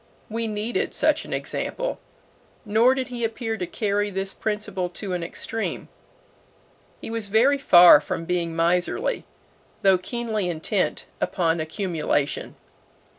We needed such an example. Nor did he appear to carry this principle to an extreme. He was very far from being miserly, though keenly intent upon accumulation.